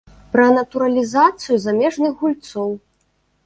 Пра натуралізацыю замежных гульцоў.